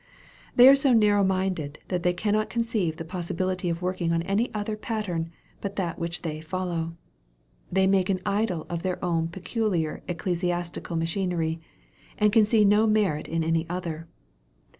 They are so narrow minded, that they cannot conceive the possibility of working on any other pattern but that which they fol low. They make an idol of their own peculiar ecclesi astical machinery, and can see no merit in any other.